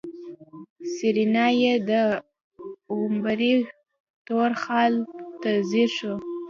سېرېنا يې د غومبري تور خال ته ځير شوه.